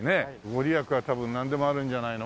御利益は多分なんでもあるんじゃないの？